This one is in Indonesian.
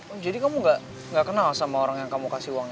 oh jadi kamu gak kenal sama orang yang kamu kasih uangnya